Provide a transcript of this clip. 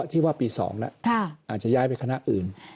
ที่ว่าปี๒แล้วอาจจะย้ายไปคณะอื่น